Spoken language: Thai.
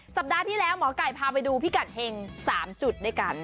สัปดาห์ที่แล้วหมอไก่พาไปดูพิกัดเฮง๓จุดด้วยกัน